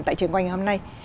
tại trường quanh hôm nay